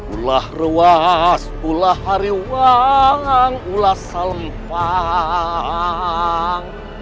ulah rewas ulah hariwang ulah salempang